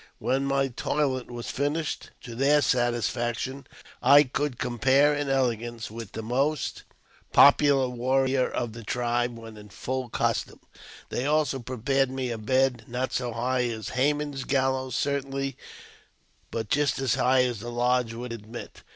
When my toilet was finished to their satisfaction, I could compare in elegance with the most popular warrior of the tribe when in full costume. They also prepared me a bed, not so high as Haman's gallows certainly, but just as high as the lodge would admit.